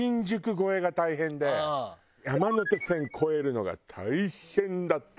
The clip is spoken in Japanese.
山手線越えるのが大変だった。